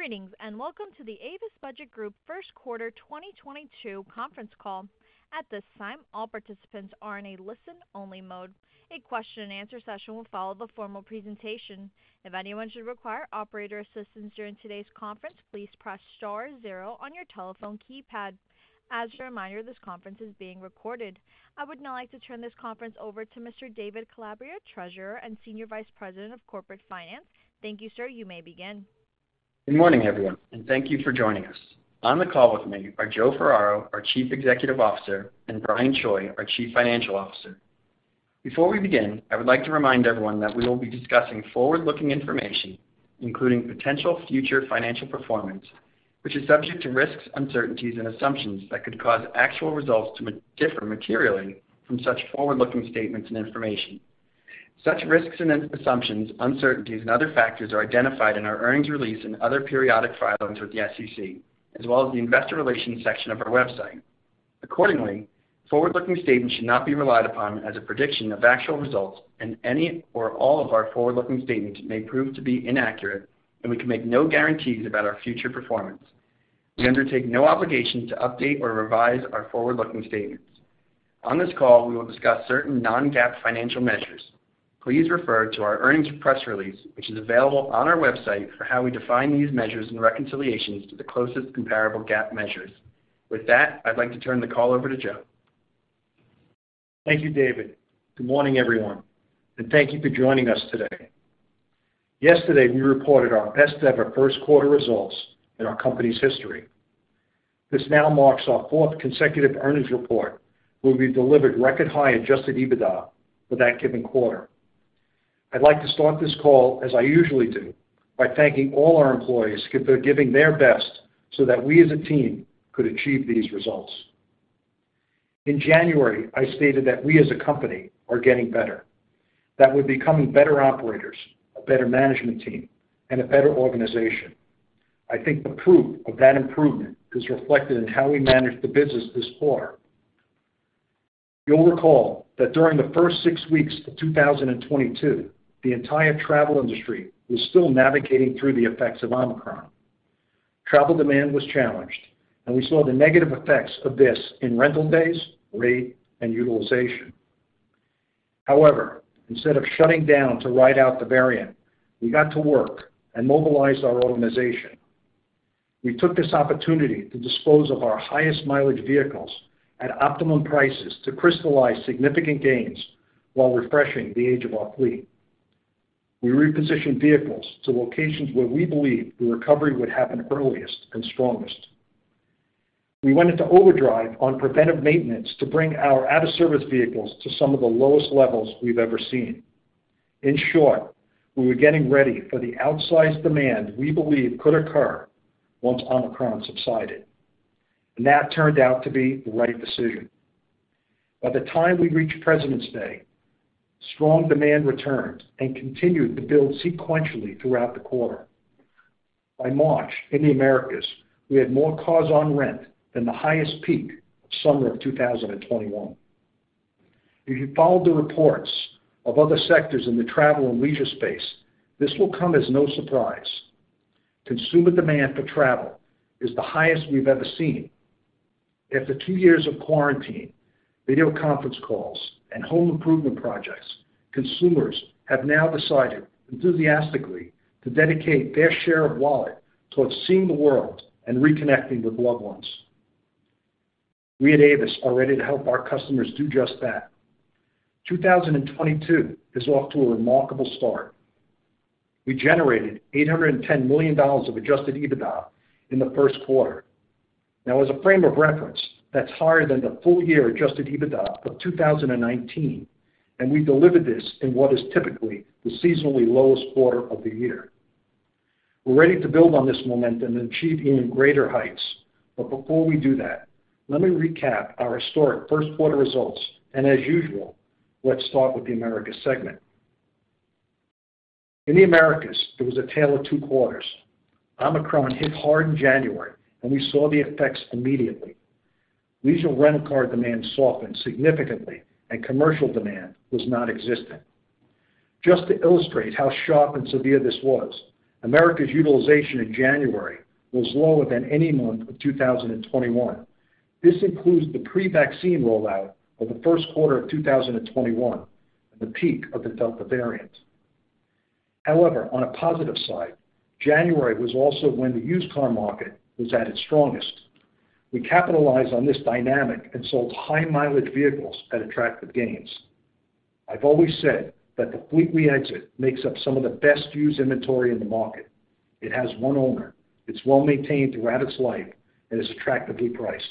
Greetings, and welcome to the Avis Budget Group first quarter 2022 conference call. At this time, all participants are in a listen-only mode. A Q&A session will follow the formal presentation. If anyone should require operator assistance during today's conference, please press star zero on your telephone keypad. As a reminder, this conference is being recorded. I would now like to turn this conference over to Mr. David Calabria, Treasurer and Senior Vice President of Corporate Finance. Thank you, sir. You may begin. Good morning, everyone, and thank you for joining us. On the call with me are Joe Ferraro, our Chief Executive Officer, and Brian Choi, our Chief Financial Officer. Before we begin, I would like to remind everyone that we will be discussing forward-looking information, including potential future financial performance, which is subject to risks, uncertainties, and assumptions that could cause actual results to differ materially from such forward-looking statements and information. Such risks and assumptions, uncertainties, and other factors are identified in our earnings release and other periodic filings with the SEC, as well as the investor relations section of our website. Accordingly, forward-looking statements should not be relied upon as a prediction of actual results, and any or all of our forward-looking statements may prove to be inaccurate, and we can make no guarantees about our future performance. We undertake no obligation to update or revise our forward-looking statements. On this call, we will discuss certain non-GAAP financial measures. Please refer to our earnings press release, which is available on our website for how we define these measures and reconciliations to the closest comparable GAAP measures. With that, I'd like to turn the call over to Joe. Thank you, David. Good morning, everyone, and thank you for joining us today. Yesterday, we reported our best ever first quarter results in our company's history. This now marks our fourth consecutive earnings report where we've delivered record high adjusted EBITDA for that given quarter. I'd like to start this call, as I usually do, by thanking all our employees for giving their best so that we as a team could achieve these results. In January, I stated that we as a company are getting better, that we're becoming better operators, a better management team, and a better organization. I think the proof of that improvement is reflected in how we managed the business this far. You'll recall that during the first six weeks of 2022, the entire travel industry was still navigating through the effects of Omicron. Travel demand was challenged, and we saw the negative effects of this in rental days, rate, and utilization. However, instead of shutting down to ride out the variant, we got to work and mobilized our organization. We took this opportunity to dispose of our highest mileage vehicles at optimum prices to crystallize significant gains while refreshing the age of our fleet. We repositioned vehicles to locations where we believed the recovery would happen earliest and strongest. We went into overdrive on preventive maintenance to bring our out-of-service vehicles to some of the lowest levels we've ever seen. In short, we were getting ready for the outsized demand we believe could occur once Omicron subsided, and that turned out to be the right decision. By the time we reached President's Day, strong demand returned and continued to build sequentially throughout the quarter. By March, in the Americas, we had more cars on rent than the highest peak of summer of 2021. If you followed the reports of other sectors in the travel and leisure space, this will come as no surprise. Consumer demand for travel is the highest we've ever seen. After two years of quarantine, video conference calls, and home improvement projects, consumers have now decided enthusiastically to dedicate their share of wallet towards seeing the world and reconnecting with loved ones. We at Avis are ready to help our customers do just that. 2022 is off to a remarkable start. We generated $810 million of adjusted EBITDA in the first quarter. Now as a frame of reference, that's higher than the full year adjusted EBITDA of 2019, and we delivered this in what is typically the seasonally lowest quarter of the year. We're ready to build on this momentum and achieve even greater heights. Before we do that, let me recap our historic first quarter results. As usual, let's start with the Americas segment. In the Americas, it was a tale of two quarters. Omicron hit hard in January, and we saw the effects immediately. Leisure rental car demand softened significantly, and commercial demand was nonexistent. Just to illustrate how sharp and severe this was, Americas utilization in January was lower than any month of 2021. This includes the pre-vaccine rollout of the first quarter of 2021, the peak of the Delta variant. However, on a positive side, January was also when the used car market was at its strongest. We capitalized on this dynamic and sold high-mileage vehicles at attractive gains. I've always said that the fleet we exit makes up some of the best used inventory in the market. It has one owner, it's well-maintained throughout its life, and is attractively priced.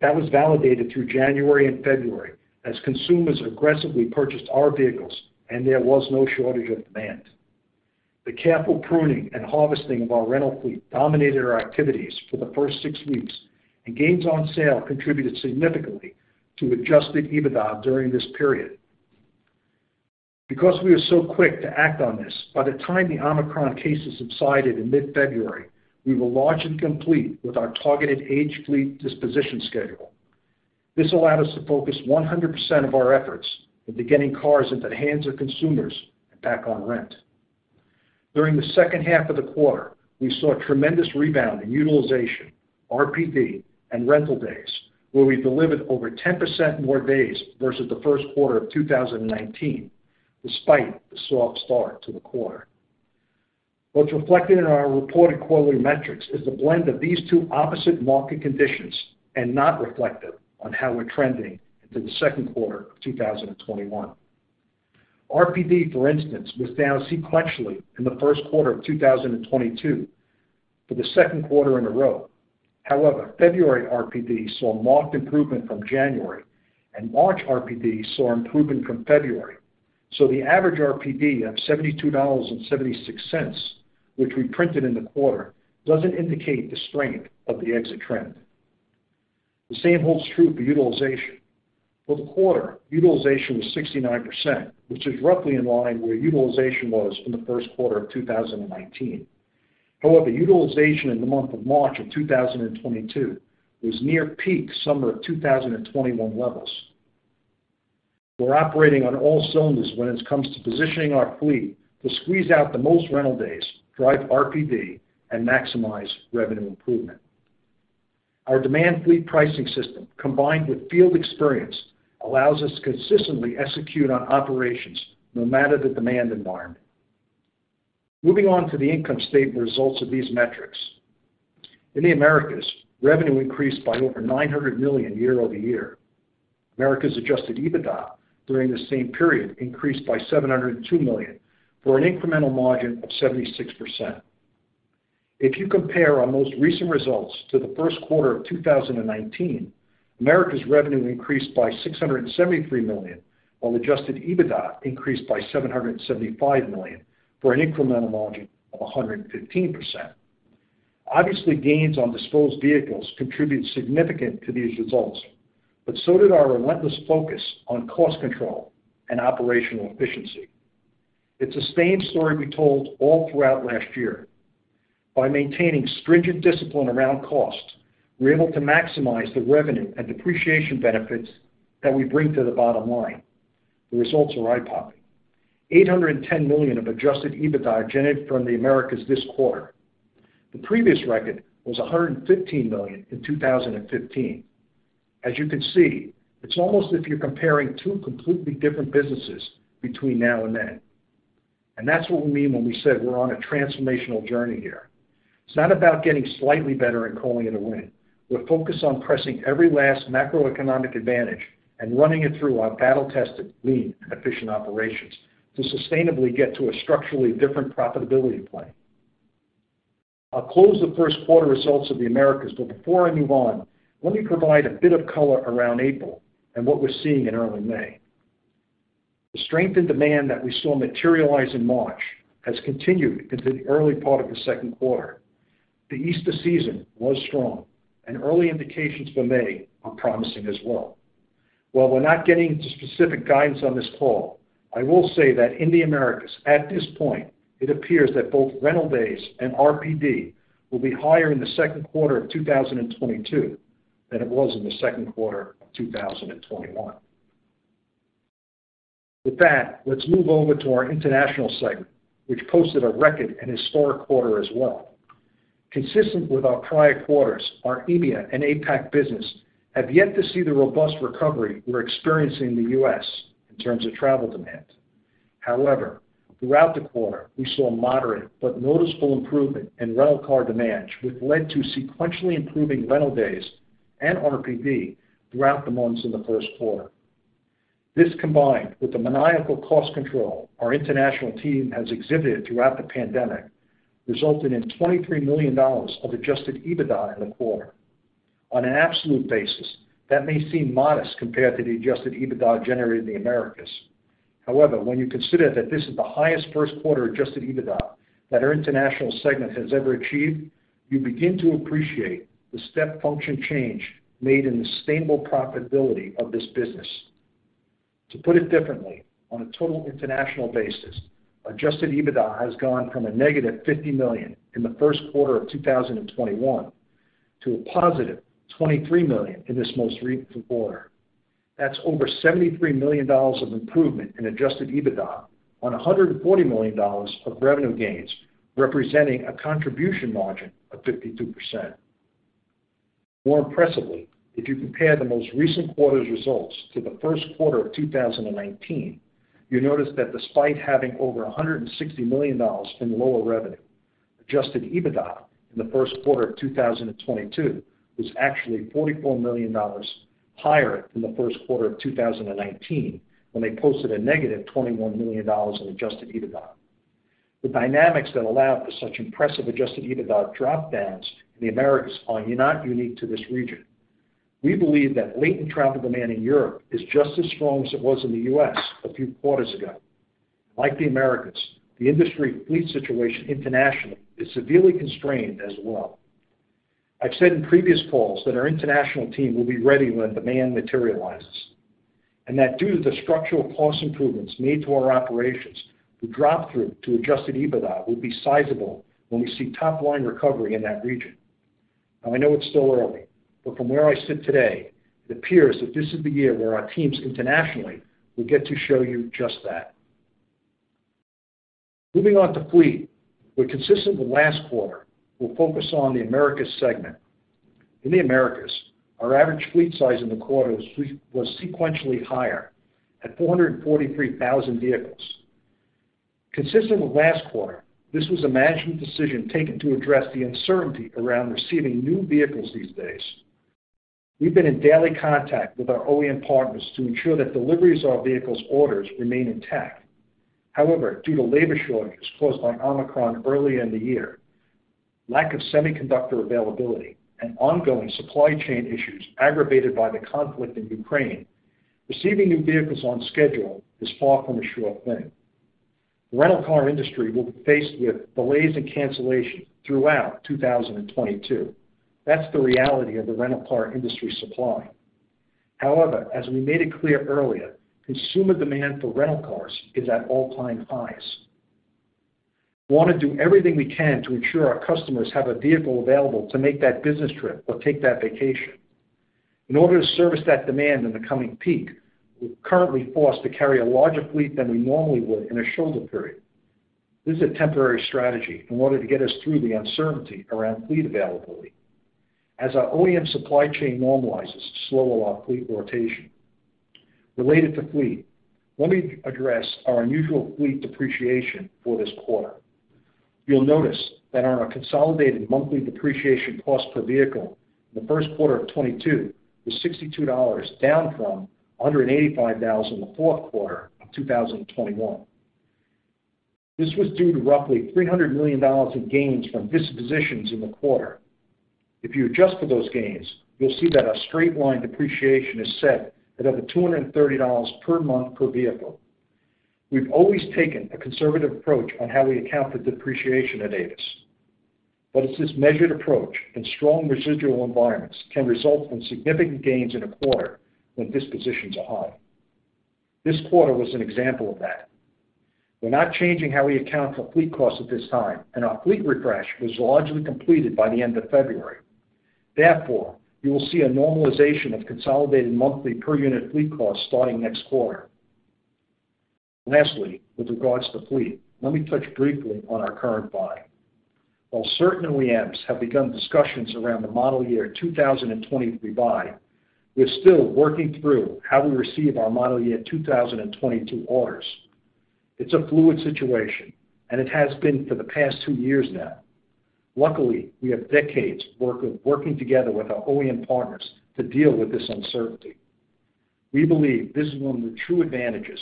That was validated through January and February as consumers aggressively purchased our vehicles and there was no shortage of demand. The careful pruning and harvesting of our rental fleet dominated our activities for the first six weeks, and gains on sale contributed significantly to adjusted EBITDA during this period. Because we were so quick to act on this, by the time the Omicron cases subsided in mid-February, we were largely complete with our targeted aged fleet disposition schedule. This allowed us to focus 100% of our efforts into getting cars into the hands of consumers and back on rent. During the second half of the quarter, we saw a tremendous rebound in utilization, RPD, and rental days, where we delivered over 10% more days versus the first quarter of 2019, despite the soft start to the quarter. What's reflected in our reported quarterly metrics is a blend of these two opposite market conditions and not reflective on how we're trending into the second quarter of 2021. RPD, for instance, was down sequentially in the first quarter of 2022 for the second quarter in a row. However, February RPD saw marked improvement from January, and March RPD saw improvement from February. The average RPD of $72.76, which we printed in the quarter, doesn't indicate the strength of the exit trend. The same holds true for utilization. For the quarter, utilization was 69%, which is roughly in line where utilization was in the first quarter of 2019. However, utilization in the month of March of 2022 was near peak summer of 2021 levels. We're operating on all cylinders when it comes to positioning our fleet to squeeze out the most rental days, drive RPD, and maximize revenue improvement. Our demand fleet pricing system, combined with field experience, allows us to consistently execute on operations no matter the demand environment. Moving on to the income statement results of these metrics. In the Americas, revenue increased by over $900 million year-over-year. Americas adjusted EBITDA during the same period increased by $702 million, for an incremental margin of 76%. If you compare our most recent results to the first quarter of 2019, Americas revenue increased by $673 million, while adjusted EBITDA increased by $775 million, for an incremental margin of 115%. Obviously, gains on disposed vehicles contribute significantly to these results, but so did our relentless focus on cost control and operational efficiency. It's the same story we told all throughout last year. By maintaining stringent discipline around cost, we're able to maximize the revenue and depreciation benefits that we bring to the bottom line. The results are eye-popping. $810 million of adjusted EBITDA generated from the Americas this quarter. The previous record was $115 million in 2015. As you can see, it's almost as if you're comparing two completely different businesses between now and then, and that's what we mean when we said we're on a transformational journey here. It's not about getting slightly better and calling it a win. We're focused on pressing every last macroeconomic advantage and running it through our battle-tested, lean, efficient operations to sustainably get to a structurally different profitability plan. I'll close the first quarter results of the Americas, but before I move on, let me provide a bit of color around April and what we're seeing in early May. The strength in demand that we saw materialize in March has continued into the early part of the second quarter. The Easter season was strong, and early indications for May are promising as well. While we're not getting into specific guidance on this call, I will say that in the Americas, at this point, it appears that both rental days and RPD will be higher in the second quarter of 2022 than it was in the second quarter of 2021. With that, let's move over to our international segment, which posted a record and historic quarter as well. Consistent with our prior quarters, our EMEA and APAC business have yet to see the robust recovery we're experiencing in the U.S. in terms of travel demand. However, throughout the quarter, we saw a moderate but noticeable improvement in rental car demand, which led to sequentially improving rental days and RPD throughout the months in the first quarter. This, combined with the maniacal cost control our international team has exhibited throughout the pandemic, resulted in $23 million of adjusted EBITDA in the quarter. On an absolute basis, that may seem modest compared to the adjusted EBITDA generated in the Americas. However, when you consider that this is the highest first quarter adjusted EBITDA that our international segment has ever achieved, you begin to appreciate the step function change made in the sustainable profitability of this business. To put it differently, on a total international basis, adjusted EBITDA has gone from a negative $50 million in the first quarter of 2021 to a positive $23 million in this most recent quarter. That's over $73 million of improvement in adjusted EBITDA on $140 million of revenue gains, representing a contribution margin of 52%. More impressively, if you compare the most recent quarter's results to the first quarter of 2019, you notice that despite having over $160 million in lower revenue, adjusted EBITDA in the first quarter of 2022 was actually $44 million higher than the first quarter of 2019, when they posted a negative $21 million in adjusted EBITDA. The dynamics that allow for such impressive adjusted EBITDA drop-throughs in the Americas are not unique to this region. We believe that latent travel demand in Europe is just as strong as it was in the U.S. a few quarters ago. Like the Americas, the industry fleet situation internationally is severely constrained as well. I've said in previous calls that our international team will be ready when demand materializes. That due to the structural cost improvements made to our operations, the drop-through to adjusted EBITDA will be sizable when we see top line recovery in that region. Now I know it's still early, but from where I sit today, it appears that this is the year where our teams internationally will get to show you just that. Moving on to fleet, where consistent with last quarter, we'll focus on the Americas segment. In the Americas, our average fleet size in the quarter was sequentially higher at 443,000 vehicles. Consistent with last quarter, this was a management decision taken to address the uncertainty around receiving new vehicles these days. We've been in daily contact with our OEM partners to ensure that deliveries of our vehicles orders remain intact. However, due to labor shortages caused by Omicron earlier in the year, lack of semiconductor availability, and ongoing supply chain issues aggravated by the conflict in Ukraine, receiving new vehicles on schedule is far from a sure thing. The rental car industry will be faced with delays and cancellations throughout 2022. That's the reality of the rental car industry supply. However, as we made it clear earlier, consumer demand for rental cars is at all-time highs. We wanna do everything we can to ensure our customers have a vehicle available to make that business trip or take that vacation. In order to service that demand in the coming peak, we're currently forced to carry a larger fleet than we normally would in a shoulder period. This is a temporary strategy in order to get us through the uncertainty around fleet availability. As our OEM supply chain normalizes, this will allow fleet rotation. Related to fleet, let me address our unusual fleet depreciation for this quarter. You'll notice that on our consolidated monthly depreciation cost per vehicle, the first quarter of 2022 was $62, down from $185 in the fourth quarter of 2021. This was due to roughly $300 million in gains from dispositions in the quarter. If you adjust for those gains, you'll see that our straight line depreciation is set at over $230 per month per vehicle. We've always taken a conservative approach on how we account for depreciation at Avis. It's this measured approach and strong residual environments can result in significant gains in a quarter when dispositions are high. This quarter was an example of that. We're not changing how we account for fleet costs at this time, and our fleet refresh was largely completed by the end of February. Therefore, you will see a normalization of consolidated monthly per unit fleet costs starting next quarter. Lastly, with regards to fleet, let me touch briefly on our current buy. While certain OEMs have begun discussions around the model year 2023 buy, we're still working through how we receive our model year 2022 orders. It's a fluid situation, and it has been for the past two years now. Luckily, we have decades' worth of working together with our OEM partners to deal with this uncertainty. We believe this is one of the true advantages.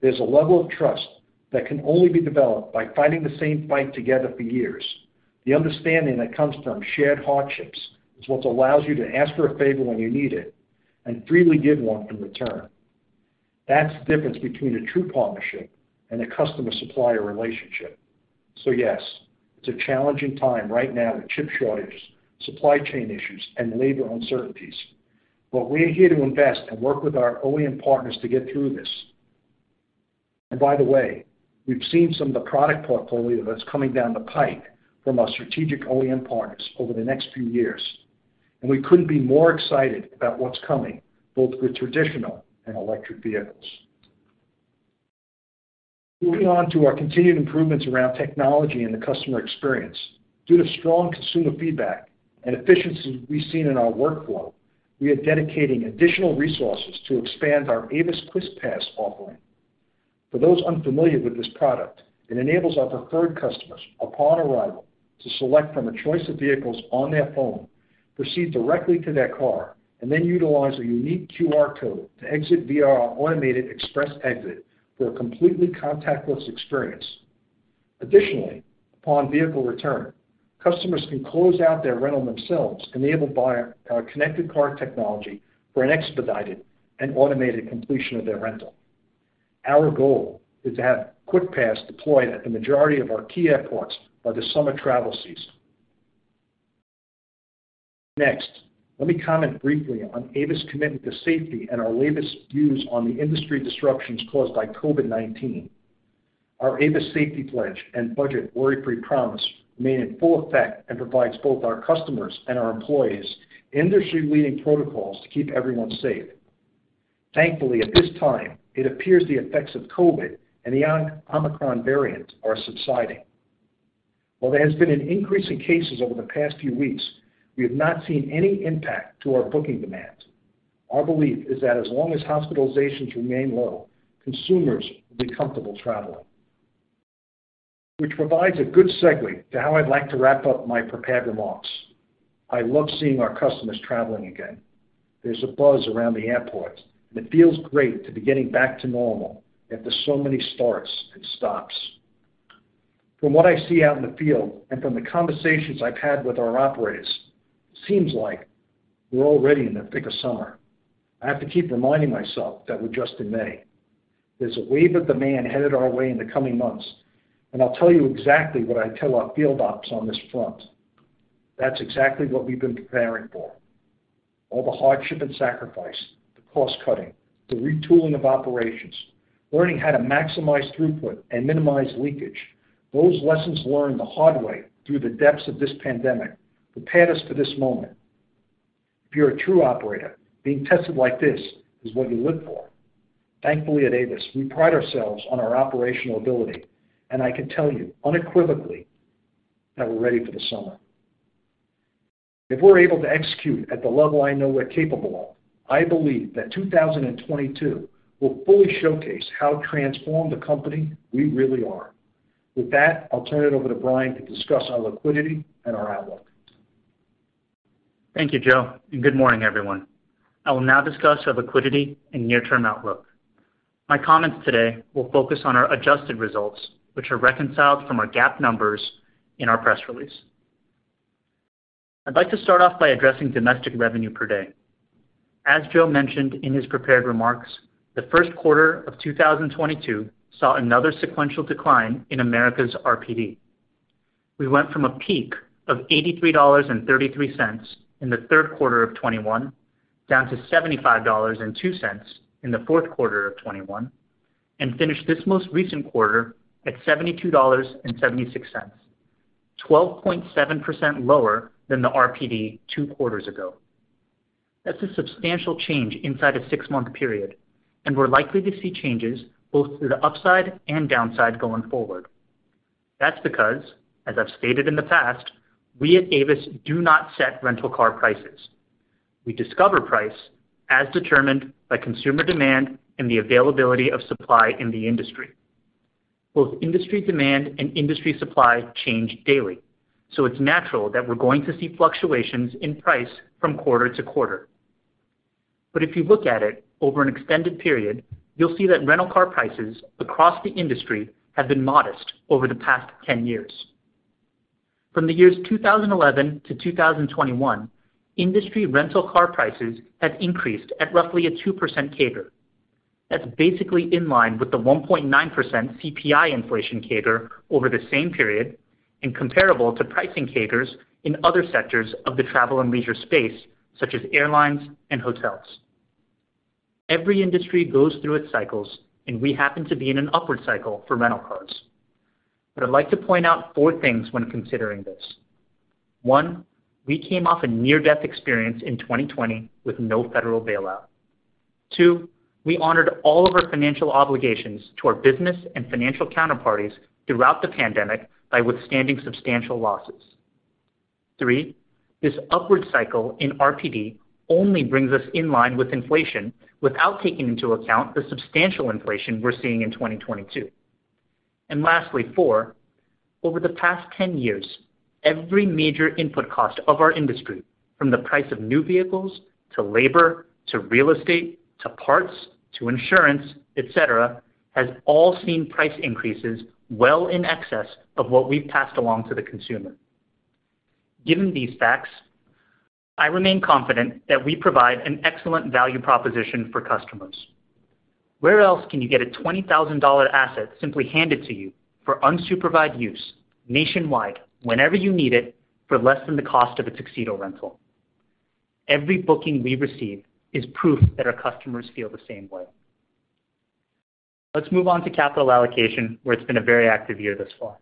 There's a level of trust that can only be developed by fighting the same fight together for years. The understanding that comes from shared hardships is what allows you to ask for a favor when you need it and freely give one in return. That's the difference between a true partnership and a customer-supplier relationship. Yes, it's a challenging time right now with chip shortages, supply chain issues, and labor uncertainties. We're here to invest and work with our OEM partners to get through this. By the way, we've seen some of the product portfolio that's coming down the pipe from our strategic OEM partners over the next few years, and we couldn't be more excited about what's coming, both with traditional and electric vehicles. Moving on to our continued improvements around technology and the customer experience. Due to strong consumer feedback and efficiencies we've seen in our workflow, we are dedicating additional resources to expand our Avis QuickPass offering. For those unfamiliar with this product, it enables our preferred customers, upon arrival, to select from a choice of vehicles on their phone, proceed directly to their car, and then utilize a unique QR code to exit via our automated express exit for a completely contactless experience. Additionally, upon vehicle return, customers can close out their rental themselves, enabled by our connected car technology for an expedited and automated completion of their rental. Our goal is to have QuickPass deployed at the majority of our key airports by the summer travel season. Next, let me comment briefly on Avis' commitment to safety and our latest views on the industry disruptions caused by COVID-19. Our Avis Safety Pledge and Budget Worry-Free Promise remain in full effect and provides both our customers and our employees industry-leading protocols to keep everyone safe. Thankfully, at this time, it appears the effects of COVID and the Omicron variant are subsiding. While there has been an increase in cases over the past few weeks, we have not seen any impact to our booking demand. Our belief is that as long as hospitalizations remain low, consumers will be comfortable traveling. Which provides a good segue to how I'd like to wrap up my prepared remarks. I love seeing our customers traveling again. There's a buzz around the airport, and it feels great to be getting back to normal after so many starts and stops. From what I see out in the field and from the conversations I've had with our operators, seems like we're already in the thick of summer. I have to keep reminding myself that we're just in May. There's a wave of demand headed our way in the coming months, and I'll tell you exactly what I tell our field ops on this front. That's exactly what we've been preparing for. All the hardship and sacrifice, the cost-cutting, the retooling of operations, learning how to maximize throughput and minimize leakage, those lessons learned the hard way through the depths of this pandemic prepared us for this moment. If you're a true operator, being tested like this is what you live for. Thankfully, at Avis, we pride ourselves on our operational ability, and I can tell you unequivocally that we're ready for the summer. If we're able to execute at the level I know we're capable of, I believe that 2022 will fully showcase how transformed a company we really are. With that, I'll turn it over to Brian to discuss our liquidity and our outlook. Thank you, Joe, and good morning, everyone. I will now discuss our liquidity and near-term outlook. My comments today will focus on our adjusted results, which are reconciled from our GAAP numbers in our press release. I'd like to start off by addressing domestic revenue per day. As Joe mentioned in his prepared remarks, the first quarter of 2022 saw another sequential decline in Americas RPD. We went from a peak of $83.33 in the third quarter of 2021, down to $75.02 in the fourth quarter of 2021, and finished this most recent quarter at $72.76, 12.7% lower than the RPD two quarters ago. That's a substantial change inside a six-month period, and we're likely to see changes both to the upside and downside going forward. That's because, as I've stated in the past, we at Avis do not set rental car prices. We discover price as determined by consumer demand and the availability of supply in the industry. Both industry demand and industry supply change daily, so it's natural that we're going to see fluctuations in price from quarter to quarter. If you look at it over an extended period, you'll see that rental car prices across the industry have been modest over the past 10 years. From the years 2011 to 2021, industry rental car prices have increased at roughly a 2% CAGR. That's basically in line with the 1.9% CPI inflation CAGR over the same period and comparable to pricing CAGRs in other sectors of the travel and leisure space, such as airlines and hotels. Every industry goes through its cycles, and we happen to be in an upward cycle for rental cars. I'd like to point out four things when considering this. one, we came off a near-death experience in 2020 with no federal bailout. two, we honored all of our financial obligations to our business and financial counterparties throughout the pandemic by withstanding substantial losses. three, this upward cycle in RPD only brings us in line with inflation without taking into account the substantial inflation we're seeing in 2022. Lastly, four, over the past 10 years, every major input cost of our industry, from the price of new vehicles, to labor, to real estate, to parts, to insurance, et cetera, has all seen price increases well in excess of what we've passed along to the consumer. Given these facts, I remain confident that we provide an excellent value proposition for customers. Where else can you get a $20,000 asset simply handed to you for unsupervised use nationwide whenever you need it for less than the cost of a sedan rental? Every booking we receive is proof that our customers feel the same way. Let's move on to capital allocation, where it's been a very active year thus far.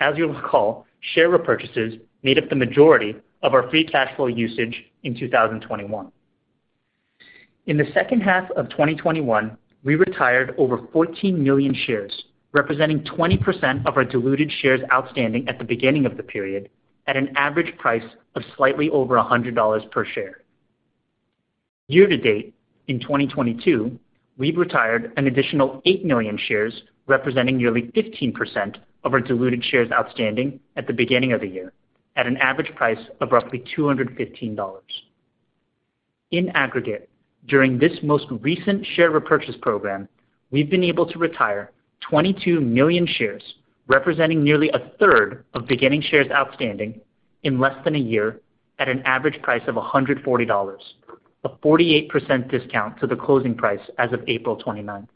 As you'll recall, share repurchases made up the majority of our free cash flow usage in 2021. In the second half of 2021, we retired over 14 million shares, representing 20% of our diluted shares outstanding at the beginning of the period at an average price of slightly over $100 per share. Year to date in 2022, we've retired an additional 8 million shares, representing nearly 15% of our diluted shares outstanding at the beginning of the year at an average price of roughly $215. In aggregate, during this most recent share repurchase program, we've been able to retire 22 million shares, representing nearly a third of beginning shares outstanding in less than a year at an average price of $140, a 48% discount to the closing price as of April 29th.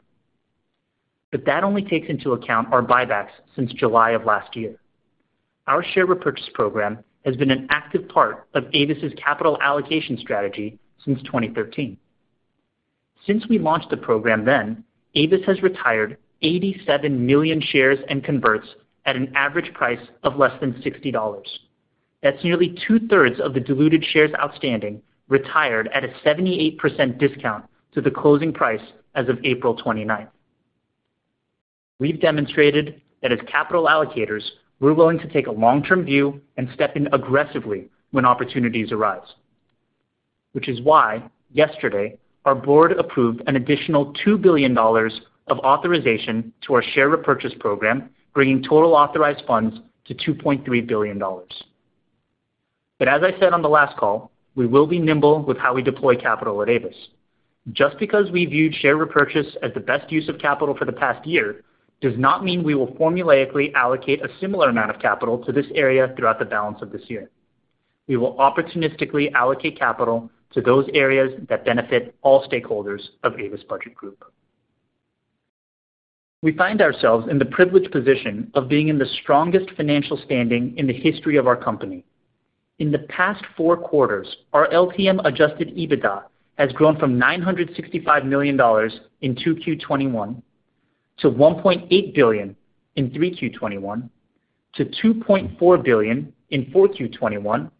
That only takes into account our buybacks since July of last year. Our share repurchase program has been an active part of Avis's capital allocation strategy since 2013. Since we launched the program then, Avis has retired 87 million shares and converted at an average price of less than $60. That's nearly 2/3 of the diluted shares outstanding, retired at a 78% discount to the closing price as of April twenty-ninth. We've demonstrated that as capital allocators, we're willing to take a long-term view and step in aggressively when opportunities arise. Which is why yesterday, our board approved an additional $2 billion of authorization to our share repurchase program, bringing total authorized funds to $2.3 billion. As I said on the last call, we will be nimble with how we deploy capital at Avis. Just because we viewed share repurchase as the best use of capital for the past year does not mean we will formulaically allocate a similar amount of capital to this area throughout the balance of this year. We will opportunistically allocate capital to those areas that benefit all stakeholders of Avis Budget Group. We find ourselves in the privileged position of being in the strongest financial standing in the history of our company. In the past four quarters, our LTM adjusted EBITDA has grown from $965 million in 2Q21 to $1.8 billion in 3Q21 to $2.4 billion in 4Q21.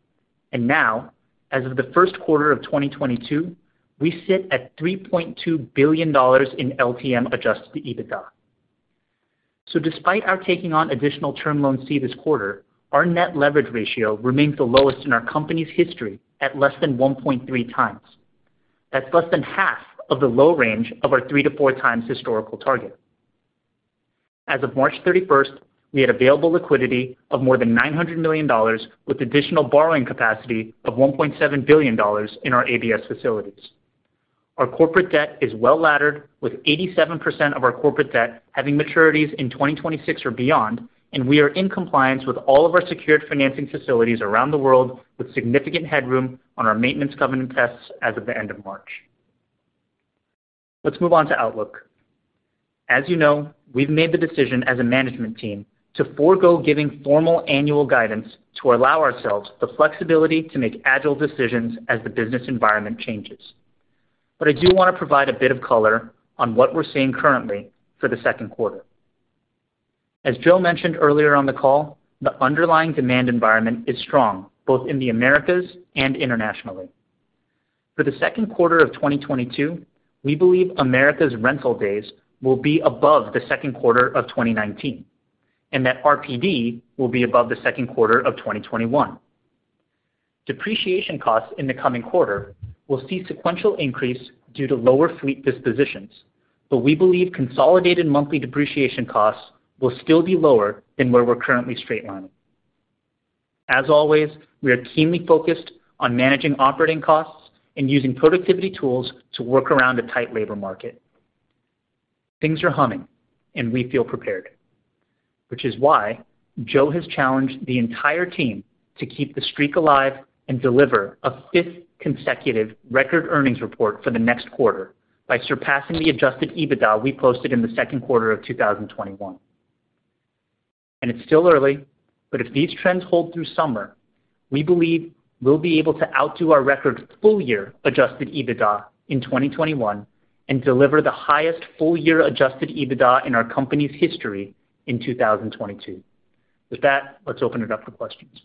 Now, as of the first quarter of 2022, we sit at $3.2 billion in LTM adjusted EBITDA. Despite our taking on additional Term Loan C this quarter, our net leverage ratio remains the lowest in our company's history at less than 1.3x. That's less than half of the low range of our 3x-4x historical target. As of March 31st, we had available liquidity of more than $900 million, with additional borrowing capacity of $1.7 billion in our ABS facilities. Our corporate debt is well-laddered, with 87% of our corporate debt having maturities in 2026 or beyond, and we are in compliance with all of our secured financing facilities around the world, with significant headroom on our maintenance covenant tests as of the end of March. Let's move on to outlook. As you know, we've made the decision as a management team to forgo giving formal annual guidance to allow ourselves the flexibility to make agile decisions as the business environment changes. I do wanna provide a bit of color on what we're seeing currently for the second quarter. As Joe mentioned earlier on the call, the underlying demand environment is strong, both in the Americas and internationally. For the second quarter of 2022, we believe America's rental days will be above the second quarter of 2019, and that RPD will be above the second quarter of 2021. Depreciation costs in the coming quarter will see sequential increase due to lower fleet dispositions, but we believe consolidated monthly depreciation costs will still be lower than where we're currently streamlining. As always, we are keenly focused on managing operating costs and using productivity tools to work around a tight labor market. Things are humming, and we feel prepared, which is why Joe has challenged the entire team to keep the streak alive and deliver a fifth consecutive record earnings report for the next quarter by surpassing the adjusted EBITDA we posted in the second quarter of 2021. It's still early, but if these trends hold through summer, we believe we'll be able to outdo our record full-year adjusted EBITDA in 2021 and deliver the highest full-year adjusted EBITDA in our company's history in 2022. With that, let's open it up for questions.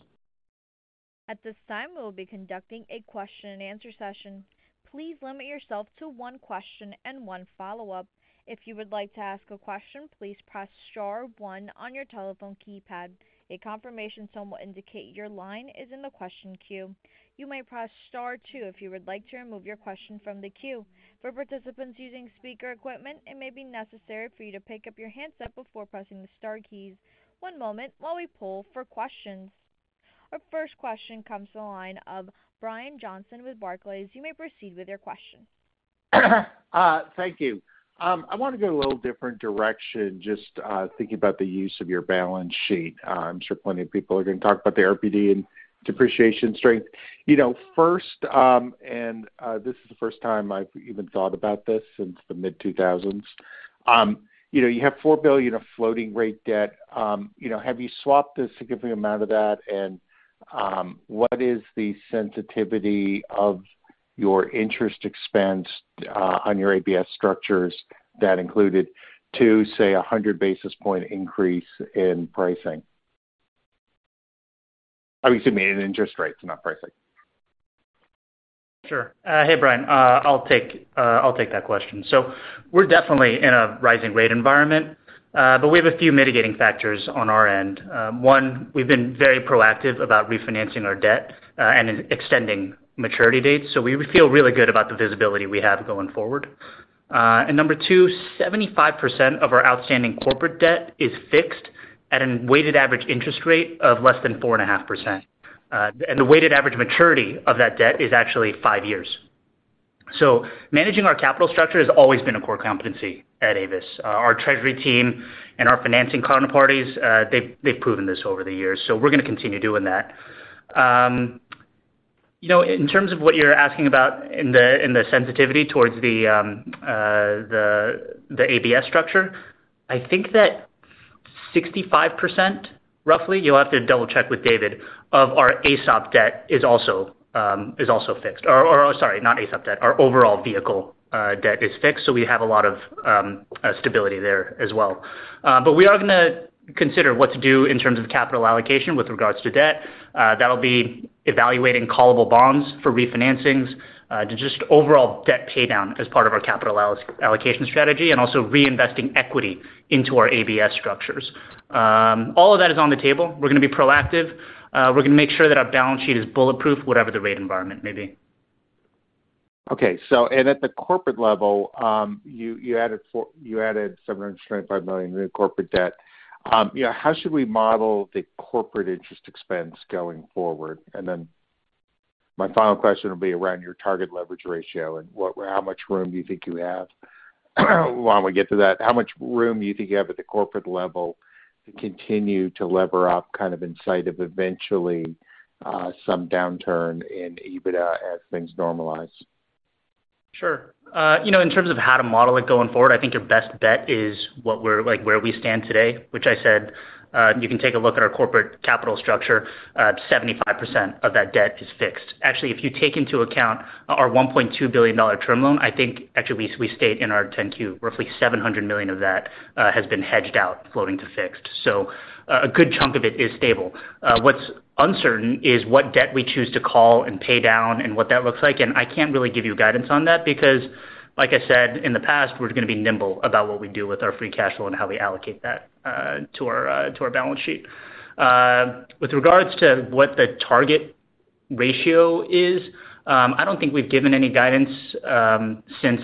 At this time, we will be conducting a Q&A session. Please limit yourself to one question and one follow-up. If you would like to ask a question, please press star one on your telephone keypad. A confirmation tone will indicate your line is in the question queue. You may press star two if you would like to remove your question from the queue. For participants using speaker equipment, it may be necessary for you to pick up your handset before pressing the star keys. One moment while we poll for questions. Our first question comes to the line of Brian Johnson with Barclays. You may proceed with your question. Thank you. I wanna go a little different direction, just thinking about the use of your balance sheet. I'm sure plenty of people are gonna talk about the RPD and depreciation strength. You know, this is the first time I've even thought about this since the mid-2000s. You know, you have $4 billion of floating rate debt. You know, have you swapped a significant amount of that? What is the sensitivity of your interest expense on your ABS structures to, say, a 100 basis point increase in pricing? I mean, excuse me, in interest rates, not pricing. Sure. Hey, Brian. I'll take that question. We're definitely in a rising rate environment, but we have a few mitigating factors on our end. One, we've been very proactive about refinancing our debt and extending maturity dates, so we feel really good about the visibility we have going forward. Number two, 75% of our outstanding corporate debt is fixed at a weighted average interest rate of less than 4.5%. The weighted average maturity of that debt is actually five years. Managing our capital structure has always been a core competency at Avis. Our treasury team and our financing counterparties, they've proven this over the years, so we're gonna continue doing that. You know, in terms of what you're asking about in the sensitivity towards the ABS structure, I think that 65%, roughly, you'll have to double-check with David, of our AESOP debt is also fixed. Sorry, not AESOP debt, our overall vehicle debt is fixed, so we have a lot of stability there as well. We are gonna consider what to do in terms of capital allocation with regards to debt. That'll be evaluating callable bonds for refinancings to just overall debt pay down as part of our capital allocation strategy and also reinvesting equity into our ABS structures. All of that is on the table. We're gonna be proactive. We're gonna make sure that our balance sheet is bulletproof, whatever the rate environment may be. At the corporate level, you added $725 million in corporate debt. You know, how should we model the corporate interest expense going forward? Then my final question will be around your target leverage ratio and what, how much room do you think you have? While we get to that, how much room do you think you have at the corporate level to continue to lever up kind of in light of eventually some downturn in EBITDA as things normalize? Sure. You know, in terms of how to model it going forward, I think your best bet is like, where we stand today, which I said, you can take a look at our corporate capital structure. Seventy-five percent of that debt is fixed. Actually, if you take into account our $1.2 billion term loan, I think actually we state in our 10-Q, roughly $700 million of that has been hedged out floating to fixed. So a good chunk of it is stable. What's uncertain is what debt we choose to call and pay down and what that looks like. I can't really give you guidance on that because, like I said, in the past, we're gonna be nimble about what we do with our free cash flow and how we allocate that to our balance sheet. With regards to what the target ratio is, I don't think we've given any guidance since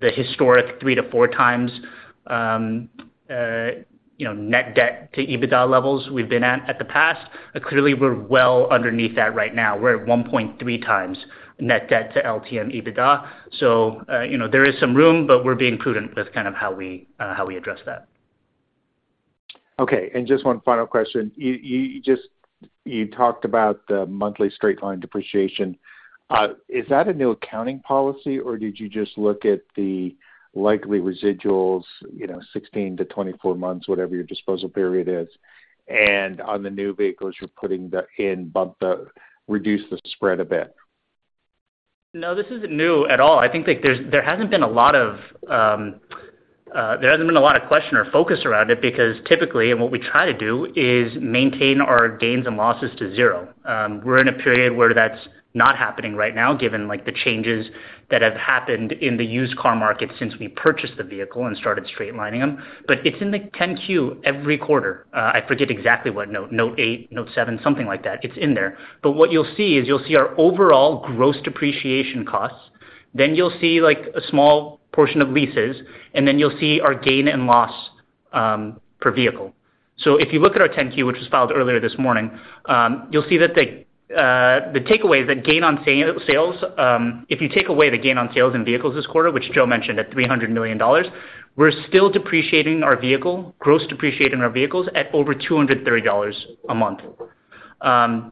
the historic 3x-4x, you know, net debt to EBITDA levels we've been at in the past. Clearly we're well underneath that right now. We're at 1.3x net debt to LTM EBITDA. You know, there is some room, but we're being prudent. That's kind of how we address that. Okay. Just one final question. You just talked about the monthly straight-line depreciation. Is that a new accounting policy, or did you just look at the likely residuals, you know, 16-24 months, whatever your disposal period is, and on the new vehicles reduce the spread a bit? No, this isn't new at all. I think like there hasn't been a lot of question or focus around it because typically, and what we try to do is maintain our gains and losses to zero. We're in a period where that's not happening right now, given, like, the changes that have happened in the used car market since we purchased the vehicle and started straight lining them. It's in the 10-Q every quarter. I forget exactly what note. Note 8, Note 7, something like that. It's in there. What you'll see is you'll see our overall gross depreciation costs, then you'll see like a small portion of leases, and then you'll see our gain and loss per vehicle. If you look at our 10-Q, which was filed earlier this morning, you'll see that the takeaway is that gain on sales. If you take away the gain on sales of vehicles this quarter, which Joe mentioned at $300 million, we're still depreciating our vehicles at over $230 a month.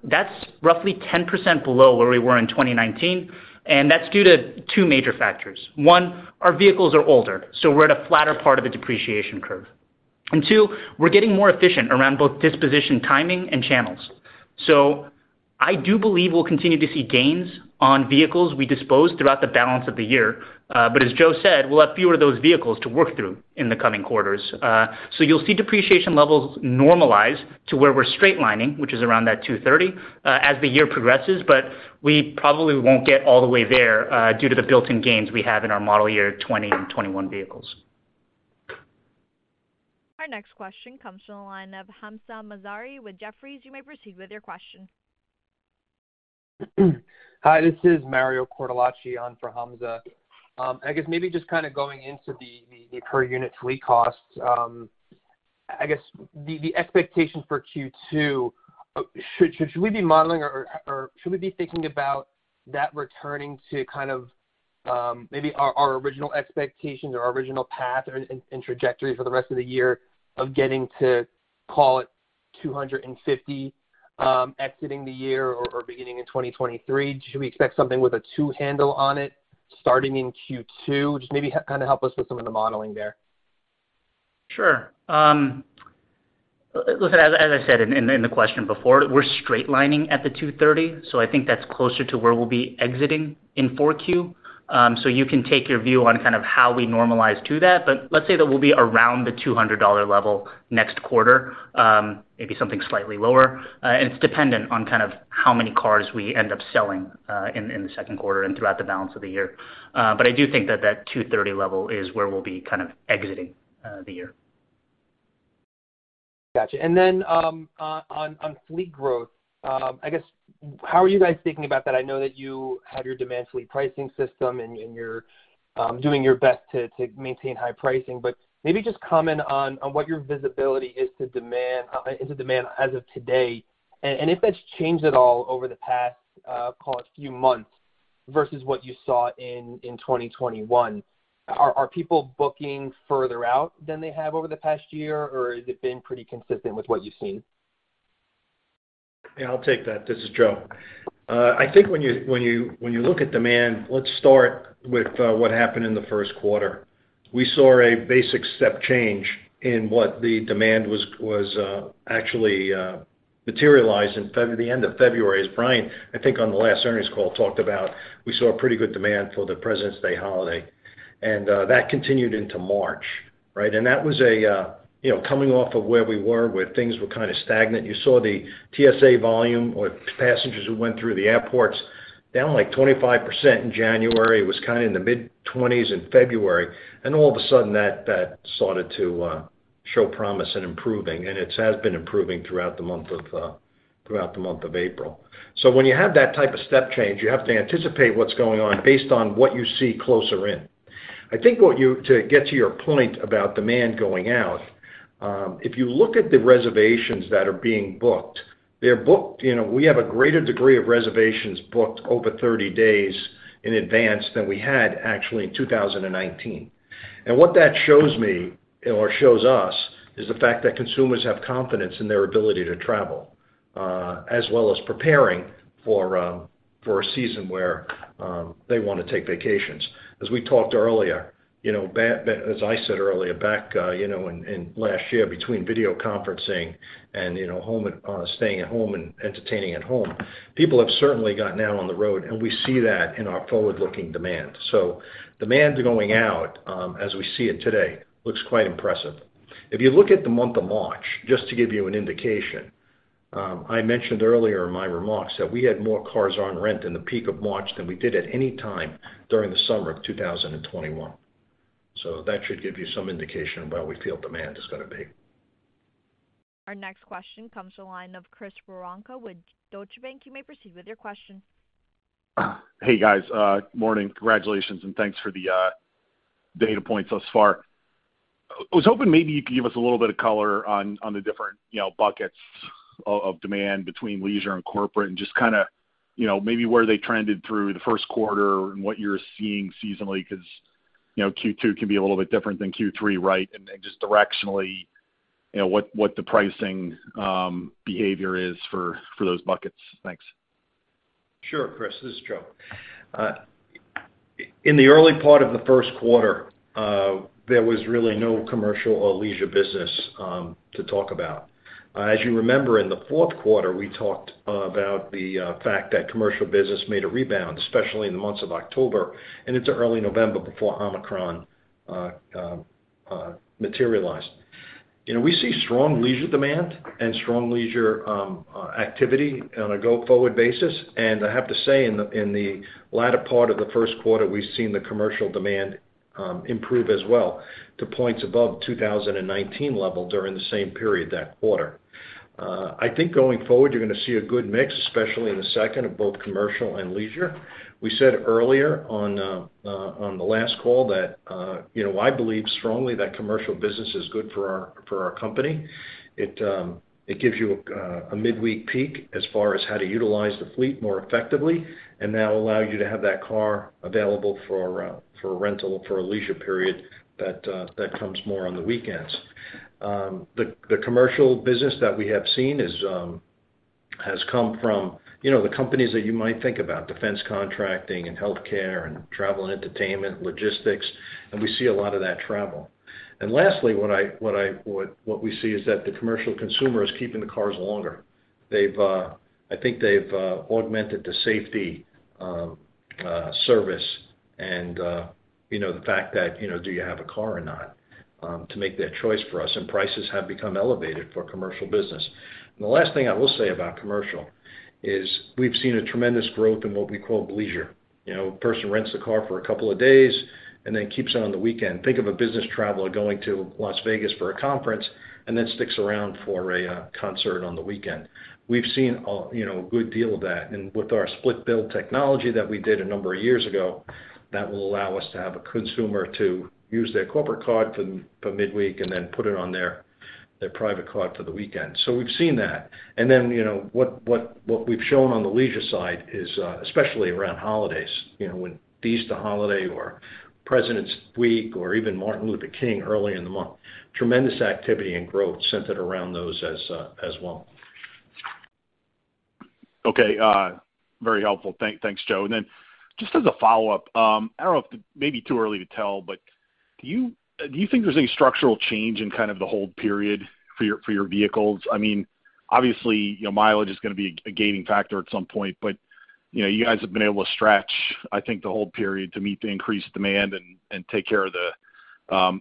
That's roughly 10% below where we were in 2019, and that's due to two major factors. One, our vehicles are older, so we're at a flatter part of the depreciation curve. Two, we're getting more efficient around both disposition timing and channels. I do believe we'll continue to see gains on vehicles we dispose of throughout the balance of the year. As Joe said, we'll have fewer of those vehicles to work through in the coming quarters. You'll see depreciation levels normalize to where we're straight lining, which is around that $230, as the year progresses. We probably won't get all the way there, due to the built-in gains we have in our model year 2020 and 2021 vehicles. Our next question comes from the line of Hamzah Mazari with Jefferies. You may proceed with your question. Hi, this is Mario Cortellacci on for Hamzah. I guess maybe just kind of going into the per unit fleet costs, I guess the expectation for Q2, should we be modeling or should we be thinking about that returning to kind of, maybe our original expectations or our original path and trajectory for the rest of the year of getting to call it 250, exiting the year or beginning in 2023? Should we expect something with a two handle on it starting in Q2? Just maybe help us with some of the modeling there. Sure. Listen, as I said in the question before, we're straight lining at the $230, so I think that's closer to where we'll be exiting in 4Q. You can take your view on kind of how we normalize to that. Let's say that we'll be around the $200 level next quarter, maybe something slightly lower. It's dependent on kind of how many cars we end up selling in the second quarter and throughout the balance of the year. I do think that $230 level is where we'll be kind of exiting the year. Gotcha. On fleet growth, I guess how are you guys thinking about that? I know that you have your demand fleet pricing system, and you're doing your best to maintain high pricing. Maybe just comment on what your visibility is to demand as of today, and if that's changed at all over the past, call it few months versus what you saw in 2021. Are people booking further out than they have over the past year, or has it been pretty consistent with what you've seen? Yeah, I'll take that. This is Joe. I think when you look at demand, let's start with what happened in the first quarter. We saw a basic step change in what the demand was actually materialized in the end of February. As Brian, I think on the last earnings call talked about, we saw a pretty good demand for the President's Day holiday, and that continued into March, right? That was a you know, coming off of where we were, where things were kind of stagnant. You saw the TSA volume or passengers who went through the airports down, like, 25% in January. It was kind of in the mid-20s% in February. All of a sudden that started to show promise in improving, and it has been improving throughout the month of April. When you have that type of step change, you have to anticipate what's going on based on what you see closer in. I think to get to your point about demand going out, if you look at the reservations that are being booked, they're booked, you know, we have a greater degree of reservations booked over 30 days in advance than we had actually in 2019. What that shows me or shows us is the fact that consumers have confidence in their ability to travel, as well as preparing for a season where they wanna take vacations. As we talked earlier, you know, as I said earlier, back, you know, in last year between video conferencing and, you know, home, staying at home and entertaining at home, people have certainly gotten out on the road, and we see that in our forward-looking demand. Demand going out, as we see it today, looks quite impressive. If you look at the month of March, just to give you an indication, I mentioned earlier in my remarks that we had more cars on rent in the peak of March than we did at any time during the summer of 2021. That should give you some indication of where we feel demand is gonna be. Our next question comes to the line of Chris Woronka with Deutsche Bank. You may proceed with your question. Hey, guys. Morning. Congratulations, and thanks for the data points thus far. I was hoping maybe you could give us a little bit of color on the different, you know, buckets of demand between leisure and corporate and just kinda, you know, maybe where they trended through the first quarter and what you're seeing seasonally 'cause, you know, Q2 can be a little bit different than Q3, right? Then just directionally, you know, what the pricing behavior is for those buckets. Thanks. Sure, Chris. This is Joe. In the early part of the first quarter, there was really no commercial or leisure business to talk about. As you remember, in the fourth quarter, we talked about the fact that commercial business made a rebound, especially in the months of October and into early November before Omicron materialized. You know, we see strong leisure demand and strong leisure activity on a go-forward basis. I have to say in the latter part of the first quarter, we've seen the commercial demand improve as well to levels above 2019 levels during the same period that quarter. I think going forward, you're gonna see a good mix, especially in the second quarter of both commercial and leisure. We said earlier on the last call that, you know, I believe strongly that commercial business is good for our company. It gives you a midweek peak as far as how to utilize the fleet more effectively and that'll allow you to have that car available for rental for a leisure period that comes more on the weekends. The commercial business that we have seen has come from, you know, the companies that you might think about, defense contracting and healthcare and travel and entertainment, logistics, and we see a lot of that travel. Lastly, what we see is that the commercial consumer is keeping the cars longer. They've I think they've augmented the safety service and you know the fact that you know do you have a car or not to make that choice for us, and prices have become elevated for commercial business. The last thing I will say about commercial is we've seen a tremendous growth in what we call bleisure. You know, a person rents the car for a couple of days and then keeps it on the weekend. Think of a business traveler going to Las Vegas for a conference and then sticks around for a concert on the weekend. We've seen you know a good deal of that. With our split billing technology that we did a number of years ago, that will allow us to have a consumer to use their corporate card for midweek and then put it on their private card for the weekend. We've seen that. Then, you know, what we've shown on the leisure side is, especially around holidays, you know, when Easter holiday or President's Week or even Martin Luther King early in the month, tremendous activity and growth centered around those as well. Okay. Very helpful. Thanks, Joe. Just as a follow-up, I don't know if it may be too early to tell, but do you think there's any structural change in kind of the hold period for your vehicles? I mean, obviously, you know, mileage is gonna be a gaining factor at some point, but, you know, you guys have been able to stretch, I think, the hold period to meet the increased demand and take care of the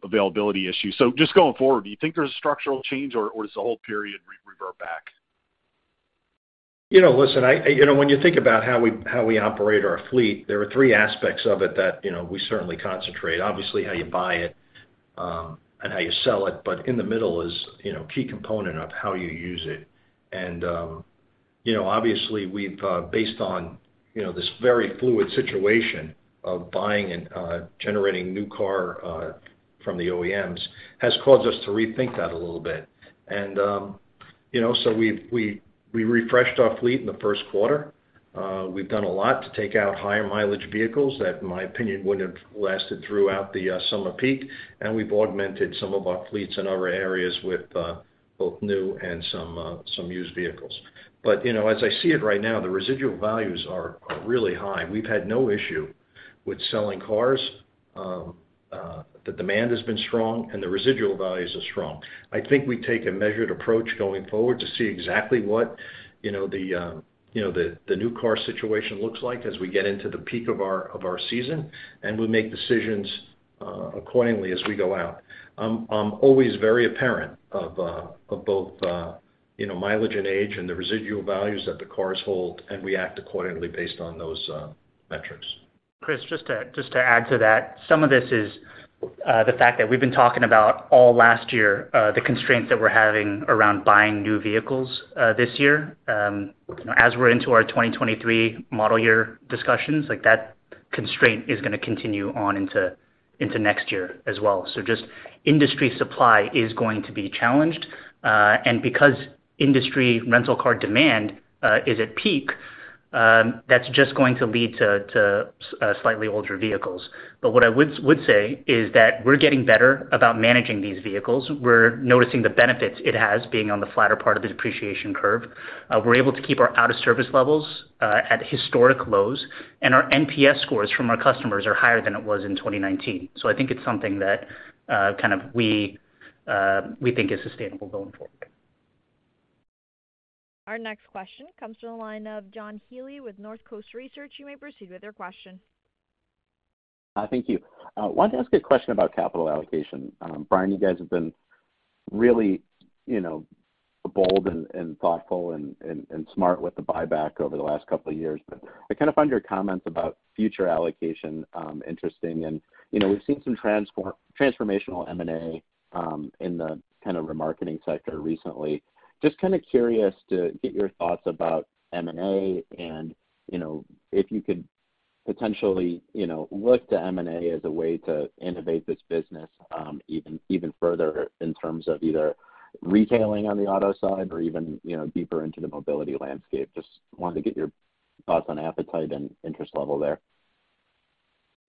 availability issue. Just going forward, do you think there's a structural change, or does the hold period revert back? You know, listen, you know, when you think about how we operate our fleet, there are three aspects of it that, you know, we certainly concentrate. Obviously, how you buy it, and how you sell it, but in the middle is, you know, key component of how you use it. You know, obviously, we've based on, you know, this very fluid situation of buying and generating new car from the OEMs, has caused us to rethink that a little bit. You know, we refreshed our fleet in the first quarter. We've done a lot to take out higher mileage vehicles that, in my opinion, wouldn't have lasted throughout the summer peak. We've augmented some of our fleets in our areas with both new and some used vehicles. You know, as I see it right now, the residual values are really high. We've had no issue with selling cars. The demand has been strong, and the residual values are strong. I think we take a measured approach going forward to see exactly what, you know, the new car situation looks like as we get into the peak of our season, and we make decisions accordingly as we go out. I'm always very aware of both, you know, mileage and age and the residual values that the cars hold, and we act accordingly based on those metrics. Chris, just to add to that, some of this is the fact that we've been talking about all last year, the constraints that we're having around buying new vehicles, this year. You know, as we're into our 2023 model year discussions, like, that constraint is gonna continue on into next year as well. Just industry supply is going to be challenged. And because industry rental car demand is at peak, that's just going to lead to slightly older vehicles. But what I would say is that we're getting better about managing these vehicles. We're noticing the benefits it has being on the flatter part of the depreciation curve. We're able to keep our out-of-service levels at historic lows, and our NPS scores from our customers are higher than it was in 2019. I think it's something that kind of we think is sustainable going forward. Our next question comes from the line of John Healy with Northcoast Research. You may proceed with your question. Thank you. I wanted to ask a question about capital allocation. Brian, you guys have been really, you know, bold and thoughtful and smart with the buyback over the last couple of years. I kind of find your comments about future allocation interesting. You know, we've seen some transformational M&A in the kind of remarketing sector recently. Just kind of curious to get your thoughts about M&A and, you know, if you could potentially, you know, look to M&A as a way to innovate this business, even further in terms of either retailing on the auto side or even, you know, deeper into the mobility landscape. Just wanted to get your thoughts on appetite and interest level there.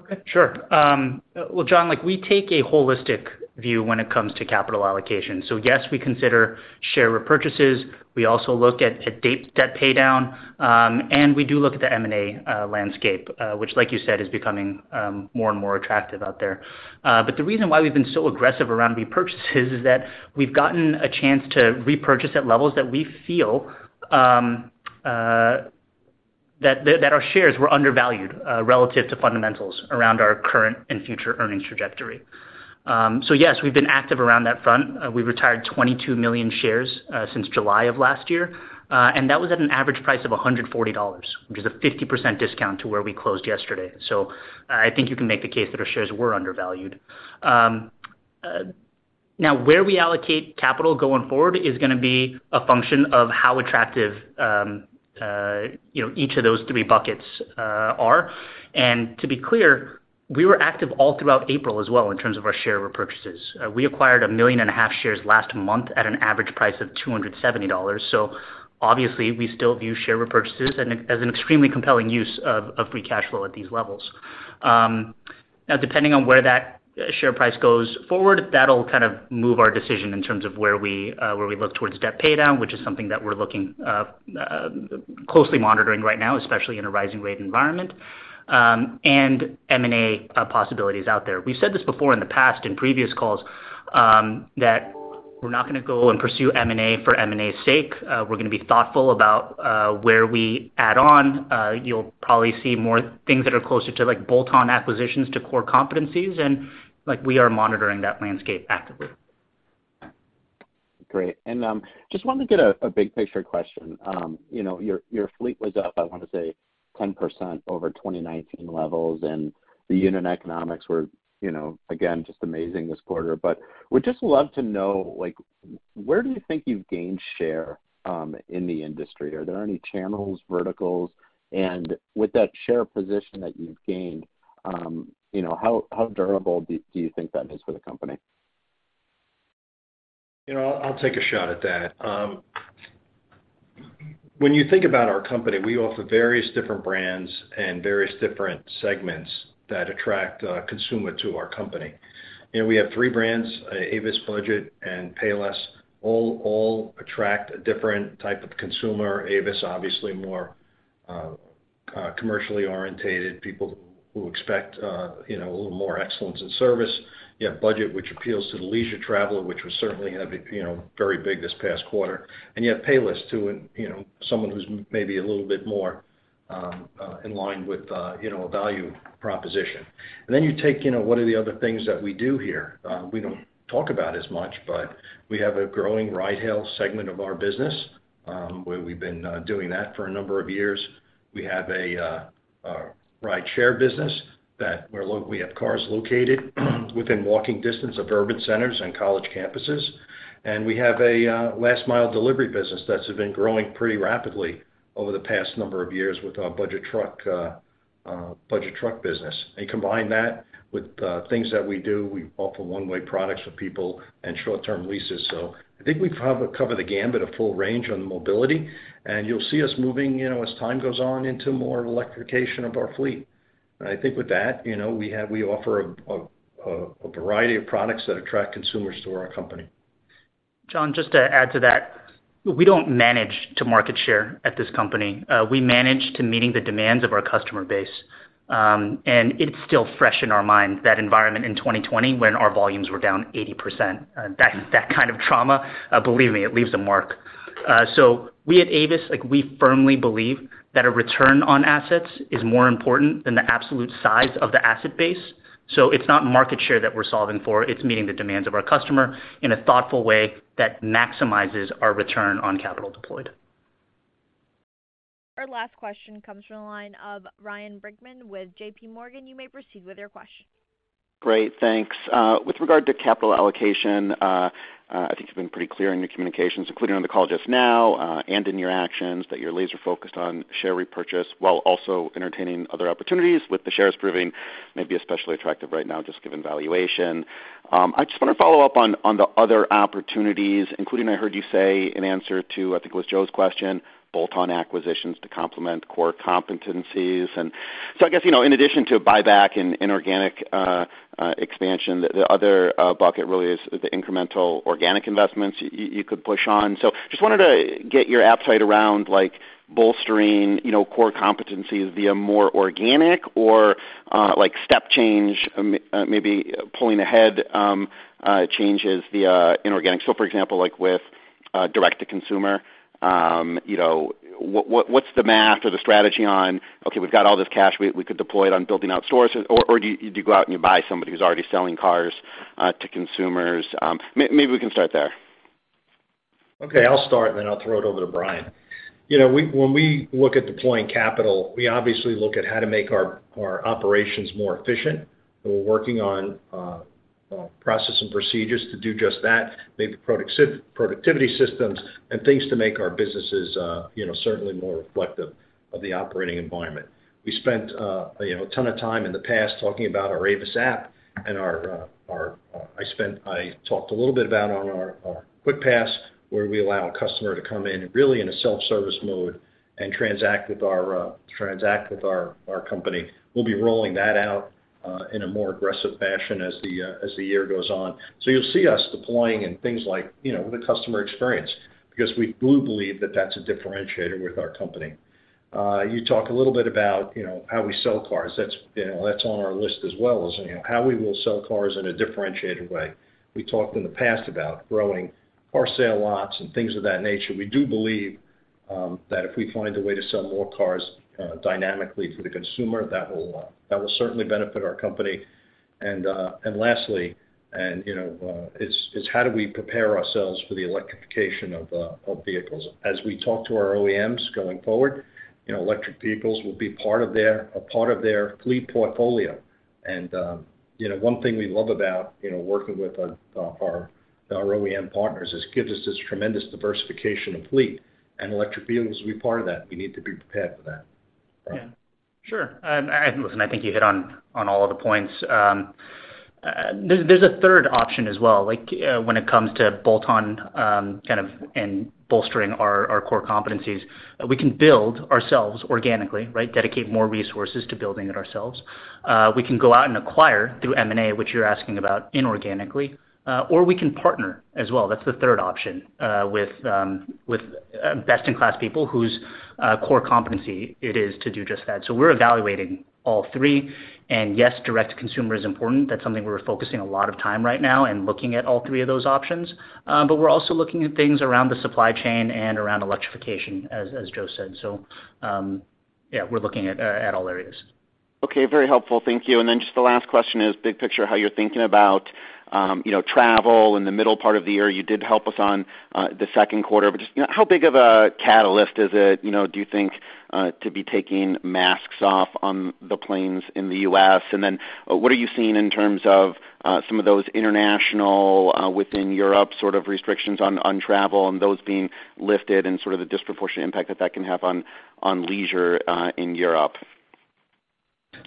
Okay. Sure. Well, John, like, we take a holistic view when it comes to capital allocation. Yes, we consider share repurchases. We also look at debt paydown, and we do look at the M&A landscape, which like you said, is becoming more and more attractive out there. The reason why we've been so aggressive around repurchases is that we've gotten a chance to repurchase at levels that we feel our shares were undervalued relative to fundamentals around our current and future earnings trajectory. Yes, we've been active around that front. We retired 22 million shares since July of last year, and that was at an average price of $140, which is a 50% discount to where we closed yesterday. I think you can make the case that our shares were undervalued. Now, where we allocate capital going forward is gonna be a function of how attractive, you know, each of those three buckets are. To be clear, we were active all throughout April as well in terms of our share repurchases. We acquired 1.5 million shares last month at an average price of $270. Obviously we still view share repurchases as an extremely compelling use of free cash flow at these levels. Now, depending on where that share price goes forward, that'll kind of move our decision in terms of where we look towards debt paydown, which is something that we're closely monitoring right now, especially in a rising rate environment, and M&A possibilities out there. We've said this before in the past in previous calls that we're not gonna go and pursue M&A for M&A's sake. We're gonna be thoughtful about where we add on. You'll probably see more things that are closer to, like, bolt-on acquisitions to core competencies, and, like, we are monitoring that landscape actively. Great. Just wanted to get a big picture question. You know, your fleet was up. I wanna say 10% over 2019 levels, and the unit economics were, you know, again, just amazing this quarter. But would just love to know, like, where do you think you've gained share in the industry? Are there any channels, verticals? With that share position that you've gained, you know, how durable do you think that is for the company? You know, I'll take a shot at that. When you think about our company, we offer various different brands and various different segments that attract a consumer to our company. You know, we have three brands, Avis, Budget, and Payless, all attract a different type of consumer. Avis, obviously more commercially oriented, people who expect you know, a little more excellence in service. You have Budget, which appeals to the leisure traveler, which was certainly having you know, very big this past quarter. You have Payless too, and you know, someone who's maybe a little bit more in line with you know, a value proposition. Then you take you know, what are the other things that we do here? We don't talk about as much, but we have a growing ride-hail segment of our business, where we've been doing that for a number of years. We have a rideshare business where we have cars located within walking distance of urban centers and college campuses. We have a last mile delivery business that's been growing pretty rapidly over the past number of years with our Budget Truck business. Combine that with things that we do. We offer one-way products for people and short-term leases. I think we cover the gamut of full range on mobility, and you'll see us moving, you know, as time goes on, into more electrification of our fleet. I think with that, you know, we offer a variety of products that attract consumers to our company. John, just to add to that, we don't manage for market share at this company. We manage for meeting the demands of our customer base. It's still fresh in our mind, that environment in 2020 when our volumes were down 80%. That kind of trauma, believe me, it leaves a mark. We at Avis, like, we firmly believe that a return on assets is more important than the absolute size of the asset base. It's not market share that we're solving for, it's meeting the demands of our customer in a thoughtful way that maximizes our return on capital deployed. Our last question comes from the line of Ryan Brinkman with JPMorgan. You may proceed with your question. Great, thanks. With regard to capital allocation, I think you've been pretty clear in your communications, including on the call just now, and in your actions that you're laser-focused on share repurchase while also entertaining other opportunities with the shares proving maybe especially attractive right now just given valuation. I just wanna follow up on the other opportunities, including I heard you say in answer to, I think it was Joe's question, bolt-on acquisitions to complement core competencies. I guess, you know, in addition to buyback and inorganic expansion, the other bucket really is the incremental organic investments you could push on. Just wanted to get your upside around, like bolstering, you know, core competencies via more organic or like step change, maybe pulling ahead, changes via inorganic. For example, like with direct to consumer, you know, what's the math or the strategy on, okay, we've got all this cash, we could deploy it on building out sources, or do you go out and you buy somebody who's already selling cars to consumers? Maybe we can start there. Okay, I'll start and then I'll throw it over to Brian. You know, when we look at deploying capital, we obviously look at how to make our operations more efficient. We're working on process and procedures to do just that. Maybe productivity systems and things to make our businesses, you know, certainly more reflective of the operating environment. We spent, you know, a ton of time in the past talking about our Avis app and our QuickPass where we allow a customer to come in really in a self-service mode and transact with our company. We'll be rolling that out in a more aggressive fashion as the year goes on. You'll see us deploying in things like, you know, the customer experience because we do believe that that's a differentiator with our company. You talk a little bit about, you know, how we sell cars. That's, you know, on our list as well as, you know, how we will sell cars in a differentiated way. We talked in the past about growing our sales lots and things of that nature. We do believe that if we find a way to sell more cars dynamically to the consumer, that will certainly benefit our company. Lastly, you know, it's how do we prepare ourselves for the electrification of vehicles. As we talk to our OEMs going forward, you know, electric vehicles will be part of their fleet portfolio. You know, one thing we love about, you know, working with our OEM partners is gives us this tremendous diversification of fleet and electric vehicles will be part of that. We need to be prepared for that. Yeah, sure. Listen, I think you hit on all of the points. There's a third option as well, like, when it comes to bolt-on kind of and bolstering our core competencies. We can build ourselves organically, right? Dedicate more resources to building it ourselves. We can go out and acquire through M&A, which you're asking about inorganically, or we can partner as well. That's the third option with best-in-class people whose core competency it is to do just that. We're evaluating all three. Yes, direct to consumer is important. That's something we're focusing a lot of time right now and looking at all three of those options. We're also looking at things around the supply chain and around electrification as Joe said. Yeah, we're looking at all areas. Okay, very helpful. Thank you. Just the last question is big picture, how you're thinking about, you know, travel in the middle part of the year. You did help us on the second quarter. Just, you know, how big of a catalyst is it, you know, do you think to be taking masks off on the planes in the U.S.? What are you seeing in terms of some of those international within Europe sort of restrictions on travel and those being lifted and sort of the disproportionate impact that can have on leisure in Europe?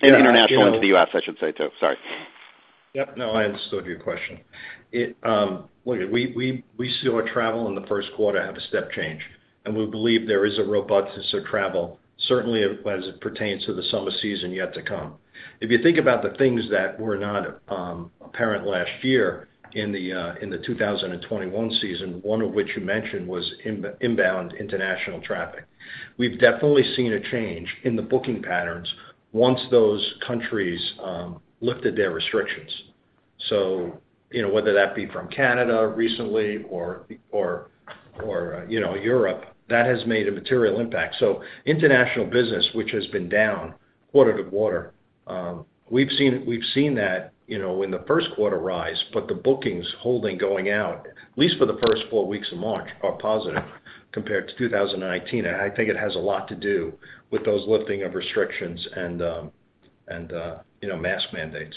International into the U.S., I should say, too. Sorry. Yep. No, I understood your question. Look, we saw travel in the first quarter have a step change, and we believe there is a robustness to travel, certainly as it pertains to the summer season yet to come. If you think about the things that were not apparent last year in the 2021 season, one of which you mentioned was inbound international traffic. We've definitely seen a change in the booking patterns once those countries lifted their restrictions. You know, whether that be from Canada recently or you know, Europe, that has made a material impact. International business, which has been down quarter-over-quarter, we've seen that, you know, in the first quarter rise, but the bookings holding going out, at least for the first four weeks of March, are positive compared to 2019. I think it has a lot to do with the lifting of restrictions and, you know, mask mandates.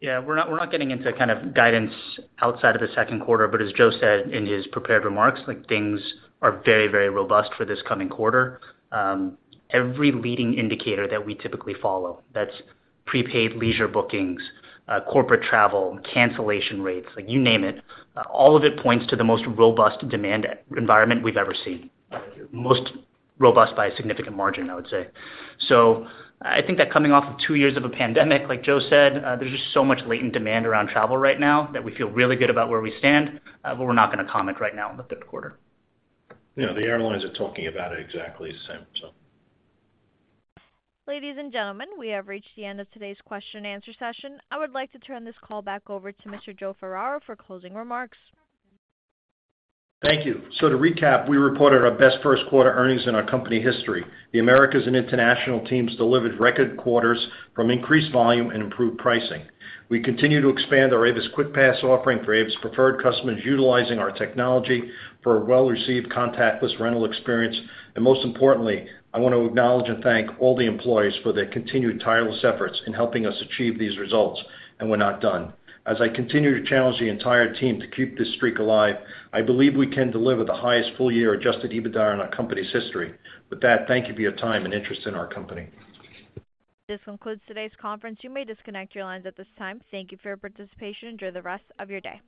Yeah. We're not getting into kind of guidance outside of the second quarter, but as Joe said in his prepared remarks, like things are very, very robust for this coming quarter. Every leading indicator that we typically follow, that's prepaid leisure bookings, corporate travel, cancellation rates, like you name it, all of it points to the most robust demand environment we've ever seen. Most robust by a significant margin, I would say. I think that coming off of two years of a pandemic, like Joe said, there's just so much latent demand around travel right now that we feel really good about where we stand, but we're not gonna comment right now on the third quarter. You know, the airlines are talking about it exactly the same, so. Ladies and gentlemen, we have reached the end of today's Q&A session. I would like to turn this call back over to Mr. Joe Ferraro for closing remarks. Thank you. To recap, we reported our best first quarter earnings in our company history. The Americas and international teams delivered record quarters from increased volume and improved pricing. We continue to expand our Avis QuickPass offering for Avis Preferred customers utilizing our technology for a well-received contactless rental experience. Most importantly, I want to acknowledge and thank all the employees for their continued tireless efforts in helping us achieve these results, and we're not done. As I continue to challenge the entire team to keep this streak alive, I believe we can deliver the highest full year adjusted EBITDA in our company's history. With that, thank you for your time and interest in our company. This concludes today's conference. You may disconnect your lines at this time. Thank you for your participation. Enjoy the rest of your day.